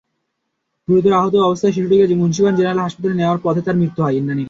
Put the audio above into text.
গুরুতর আহত অবস্থায় শিশুটিকে মুন্সিগঞ্জ জেনারেল হাসপাতালে নেওয়ার পথে তার মৃত্যু হয়।